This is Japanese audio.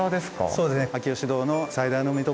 そうですね。